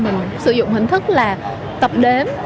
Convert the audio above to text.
mình sử dụng hình thức là tập đếm